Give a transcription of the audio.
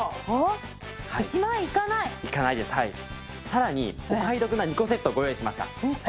さらにお買い得な２個セットをご用意しました。